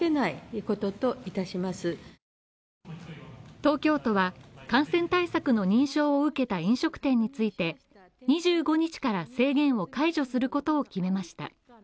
東京都は感染対策の認証を受けた飲食店について、２５日から制限を解除することを決めました。